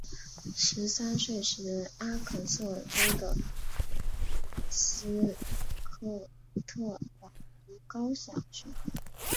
十三岁时阿肯色州的斯科特堡读高小学。